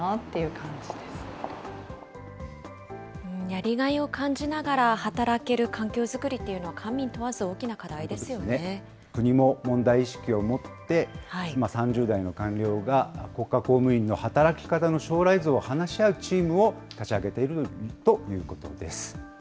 やりがいを感じながら働ける環境作りというのは官民問わず大国も問題意識を持って、今、３０代の官僚が国家公務員の働き方の将来図を話し合う会を立ち上げているということです。